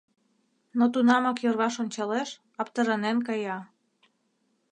Но тунамак йырваш ончалеш, аптыранен кая.